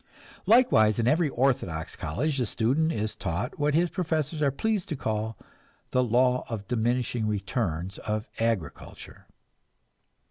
Likewise in every orthodox college the student is taught what his professors are pleased to call "the law of diminishing returns of agriculture."